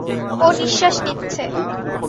ও নিশ্বাস নিচ্ছে।